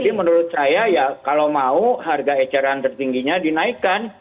jadi menurut saya ya kalau mau harga eceran tertingginya dinaikkan